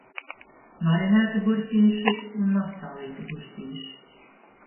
Marinēti gurķīši un mazsālīti gurķīši.